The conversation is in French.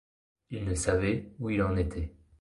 Il ne savait où il en était.